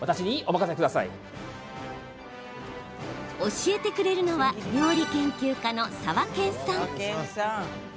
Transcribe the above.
教えてくれるのは料理研究家のさわけんさん。